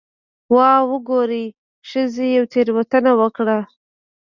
'واه وګورئ، ښځې یوه تېروتنه وکړه'.